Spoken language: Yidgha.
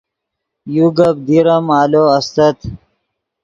یو گپ دیر ام آلو استت